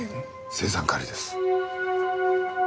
青酸カリです。